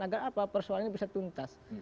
agar apa persoalannya bisa tuntas